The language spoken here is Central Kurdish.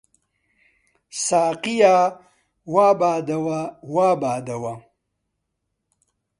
ساقییا! وا بادەوە، وا بادەوە